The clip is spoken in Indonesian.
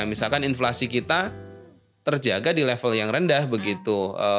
misalkan inflasi kita terjaga di level yang rendah begitu